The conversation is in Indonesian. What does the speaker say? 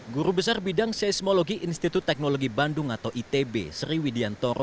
guru besar bidang seismologi institut teknologi bandung atau itb sri widiantoro